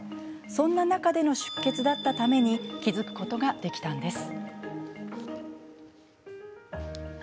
そんな中での出血だったために気付くことができたんです。